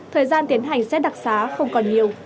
thời gian tiến hành xét đặc xá không còn nhiều